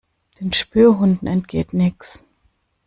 Den Spürhunden entgeht nichts.